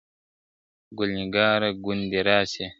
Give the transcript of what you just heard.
ګل نګاره ګوندي را سې.